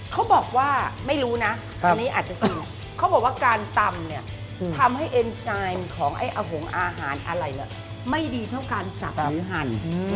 เขาบอกว่าไม่รู้นะอันนี้อาจจะตำเขาบอกว่าการตำเนี่ยทำให้เอ็นไซด์ของไอ้อหงอาหารอะไรเนี่ยไม่ดีเท่าการสับหรือหั่น